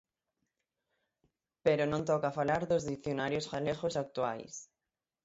Pero non toca falar dos dicionarios galegos actuais.